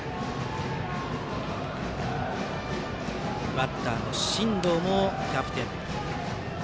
バッターの進藤もキャプテン。